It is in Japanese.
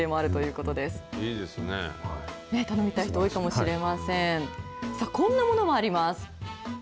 こんなものもあります。